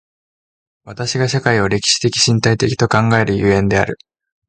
私が社会を歴史的身体的と考える所以である。